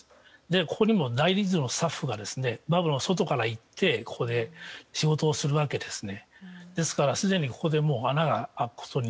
ここにもスタッフがバブルの外から行ってここで仕事をするわけです。